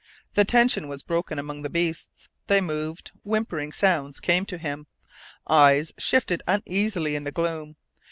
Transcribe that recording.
The tension was broken among the beasts. They moved; whimpering sounds came to him; eyes shifted uneasily in the gloom.